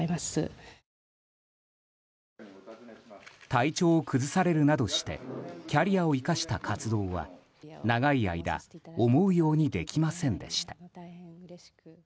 体調を崩されるなどしてキャリアを生かした活動は長い間思うようにできませんでした。